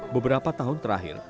beberapa tahun terakhir